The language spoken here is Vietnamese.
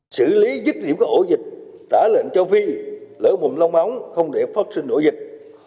sử lý rứt điểm các ổ dịch tả lợn châu phi lỡ bụng long móng không để phát sinh ổ dịch